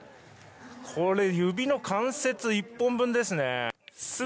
これ指の間接１本分ですね。